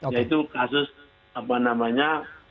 yaitu kasus apa namanya